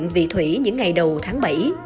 nguyện vị thủy những ngày đầu tháng bảy